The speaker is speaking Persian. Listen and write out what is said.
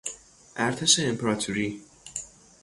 ارتش امپراتوری